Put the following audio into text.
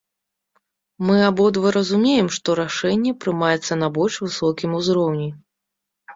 Мы абодва разумеем, што рашэнне прымаецца на больш высокім узроўні.